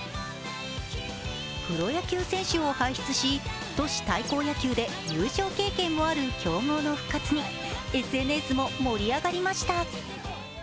プロ野球選手を輩出し、都市対抗野球で優勝経験もある強豪の復活にＳＮＳも盛り上がりました。